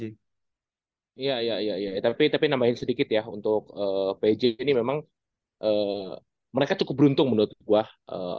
iya iya tapi nambahin sedikit ya untuk pj ini memang mereka cukup beruntung menurut buah